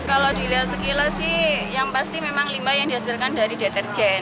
kalau dilihat sekilas sih yang pasti memang limbah yang dihasilkan dari deterjen